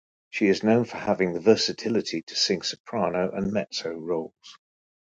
She is known for having the versatility to sing soprano and mezzo roles.